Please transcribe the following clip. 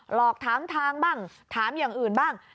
หลอกถามทางบ้างถามอย่างอื่นบ้าง